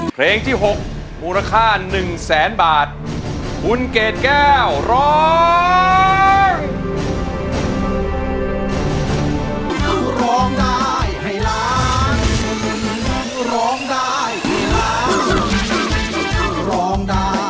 เพลงที่๖มูลค่าหนึ่งแสนบาทคุณเกดแก้วร้อง